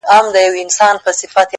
o دي ښاد سي د ځواني دي خاوري نه سي،